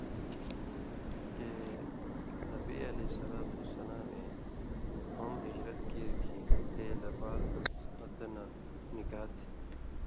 چےۡ کہ نبی ﷺ اے ہُم ہِجرت کیریۡ کھیں تے لہ بال ہتہۡ نہ نِکا تھی۔